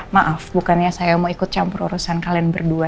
maaf bukannya saya mau ikut campur urusan kalian berdua